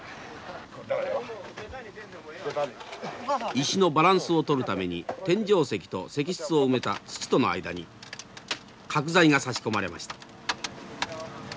石のバランスをとるために天井石と石室を埋めた土との間に角材が差し込まれました。